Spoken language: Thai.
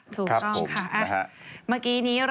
ถูกต้องค่ะ